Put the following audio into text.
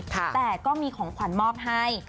แต่ก็มีของขวัญมอบให้